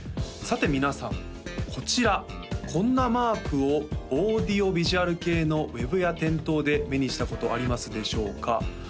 さて皆さんこちらこんなマークをオーディオビジュアル系のウェブや店頭で目にしたことありますでしょうか？